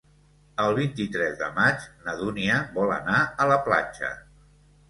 El vint-i-tres de maig na Dúnia vol anar a la platja.